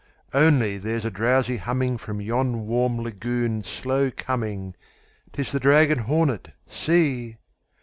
Only there 's a drowsy hummingFrom yon warm lagoon slow coming:'Tis the dragon hornet—see!